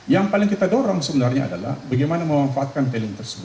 yang paling kita dorong sebenarnya adalah bagaimana memanfaatkan tailing tersebut